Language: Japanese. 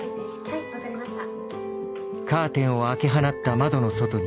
はい分かりました。